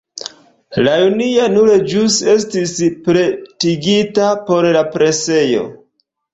La junia nur ĵus estis pretigita por la presejo.